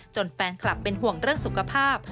แฟนคลับเป็นห่วงเรื่องสุขภาพ